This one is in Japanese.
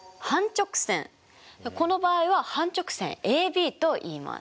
この場合は半直線ＡＢといいます。